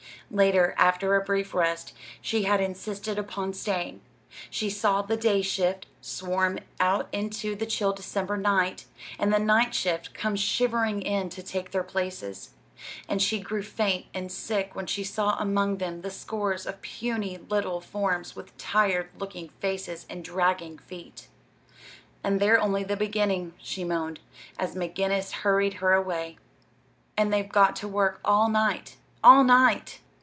Later, after a brief rest she had insisted upon staying she saw the "day shift" swarm out into the chill December night, and the "night shift" come shivering in to take their places; and she grew faint and sick when she saw among them the scores of puny little forms with tired looking faces and dragging feet. "And they're only beginning!" she moaned, as McGinnis hurried her away. "And they've got to work all night all night!"